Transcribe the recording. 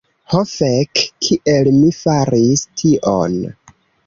Ho fek' kiel mi faris tion